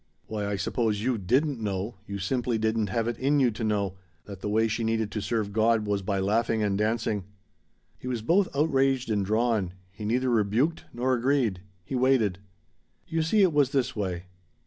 "Why I suppose you didn't know you simply didn't have it in you to know that the way she needed to serve God was by laughing and dancing!" He was both outraged and drawn. He neither rebuked nor agreed. He waited. "You see it was this way.